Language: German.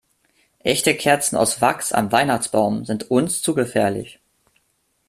Echte Kerzen aus Wachs am Weihnachtsbaum sind uns zu gefährlich.